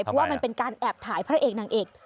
เพราะว่ามันเป็นการแอบถ่ายพระเอกนางเอก